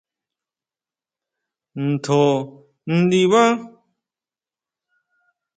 ¿Ntjo ndibá?